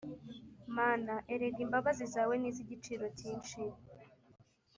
Mana, erega imabazi zawe ni iz’igiciro cyinshi